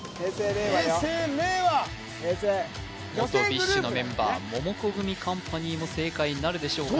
平成令和元ＢｉＳＨのメンバーモモコグミカンパニーも正解なるでしょうか